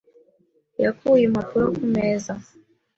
Yakuye impapuro ku meza .